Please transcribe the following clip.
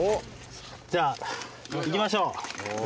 じゃあ行きましょう。